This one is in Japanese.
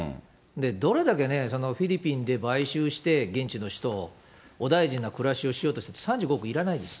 どれだけね、フィリピンで買収して、現地の人を、お大臣な暮らしをしようと、３５億いらないです。